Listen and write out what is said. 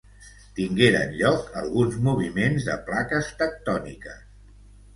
Tingueren lloc alguns moviments de plaques tectòniques.